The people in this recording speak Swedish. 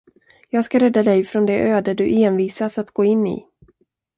Jag ska rädda dig från det öde du envisas att gå in i.